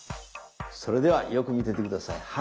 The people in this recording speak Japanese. それではよく見てて下さい。